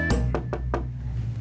bukan buat beli obat batuk